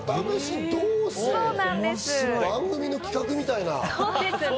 番組の企画みたいな。